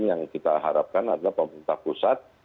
yang kita harapkan adalah pemerintah pusat